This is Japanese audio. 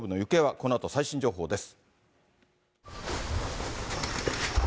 このあと、最新情報です。